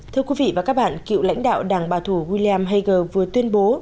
thưa quý vị và các bạn cựu lãnh đạo đảng bà thủ william hager vừa tuyên bố